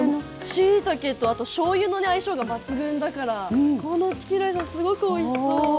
しいたけとあとしょうゆのね相性が抜群だからこのチキンライスもすごくおいしそう。